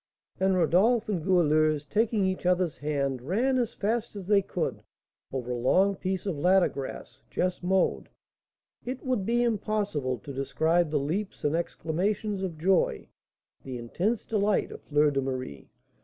And Rodolph and Goualeuse, taking each other's hand, ran as fast as they could over a long piece of latter grass, just mowed. It would be impossible to describe the leaps and exclamations of joy, the intense delight, of Fleur de Marie.